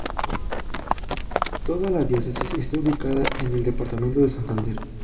Toda la diócesis está ubicada en el departamento de Santander.